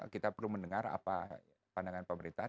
kita perlu mendengar apa pandangan pemerintahan